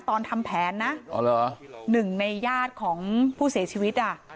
ตอนทำแผนนะอ๋อเหรอหนึ่งในย่านของผู้เสียชีวิตอ่ะ